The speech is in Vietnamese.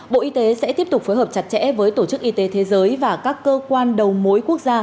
bộ y tế sẽ tiếp tục phối hợp chặt chẽ với tổ chức y tế thế giới và các cơ quan đầu mối quốc gia